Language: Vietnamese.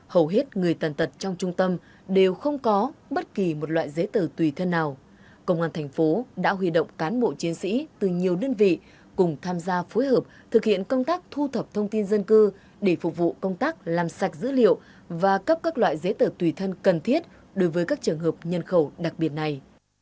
hầu hết người tần tật trong trung tâm đều không có bất kỳ một loại giấy tờ tùy thân nào công an thành phố đã huy động cán bộ chiến sĩ từ nhiều đơn vị cùng tham gia phối hợp thực hiện công tác thu thập thông tin dân cư để phục vụ công tác làm sạch dữ liệu và cấp các loại giấy tờ tùy thân cần thiết đối với các trường hợp nhân khẩu đặc biệt này